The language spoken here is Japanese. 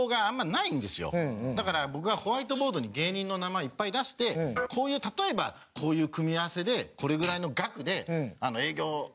だから僕がホワイトボードに芸人の名前いっぱい出して例えばこういう組み合わせでこれぐらいの額で営業どうですか？